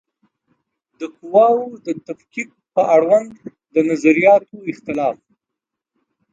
د قواوو د تفکیک په اړوند د نظریاتو اختلاف